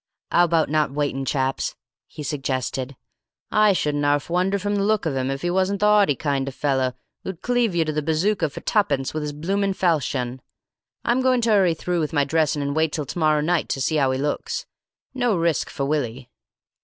"'Ow about not waiting, chaps?" he suggested. "I shouldn't 'arf wonder, from the look of him, if he wasn't the 'aughty kind of a feller who'd cleave you to the bazooka for tuppence with his bloomin' falchion. I'm goin' to 'urry through with my dressing and wait till to morrow night to see how he looks. No risks for Willie!"